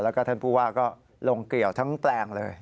แล้วก็ท่านผู้ว่าก็ลงเกลี่ยวทั้งแปลงเลย